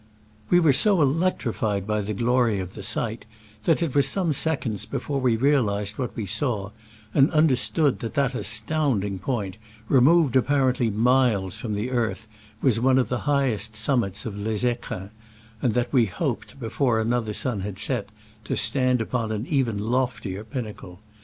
We were so electrified by the glqry of the sight that it was some seconds before we realized what we saw, and understood that that astounding point, removed apparently miles from the earth, was one of the highest summits of Les fecrins, and that we hoped, be fore another sun had set, to stand upon an even loftier pinnacle.